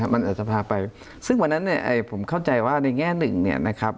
มันอาจจะพาไปซึ่งวันนั้นเนี่ยผมเข้าใจว่าในแง่หนึ่งเนี่ยนะครับ